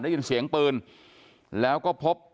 ได้ยินเสียงปืนแล้วก็พบ